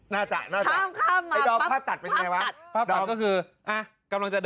ภาพตัดน่าจะ